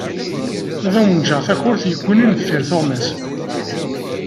Ad awen-ğğeγ takurt yeggunin deffir tuγmas.